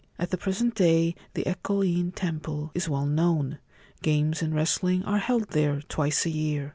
— At the present day the Eko In Temple is well known. Games and wrestling are held there twice a year.